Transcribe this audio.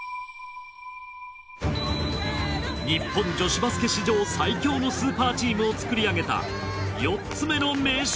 日本女子バスケ史上最強のスーパーチームを作り上げた４つ目の名将